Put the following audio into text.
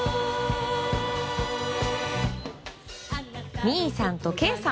ミーさんとケイさん。